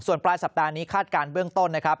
ส่วนปลายสัปดาห์นี้คาดการณ์เบื้องต้นนะครับ